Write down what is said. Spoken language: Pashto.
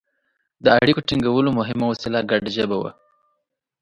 د اړیکو ټینګولو مهمه وسیله ګډه ژبه وه.